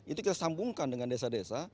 itu kita sambungkan dengan desa desa